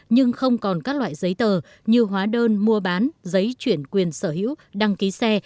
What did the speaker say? nhưng không còn các loại giấy tờ như hóa đơn mua bán giấy chuyển quyền sở hữu đăng ký xe